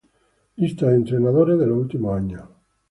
Lista de entrenadores de los últimos años.